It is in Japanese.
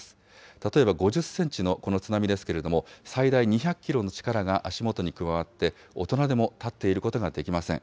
例えば５０センチのこの津波ですけれども、最大２００キロの力が足元に加わって、大人でも立っていることができません。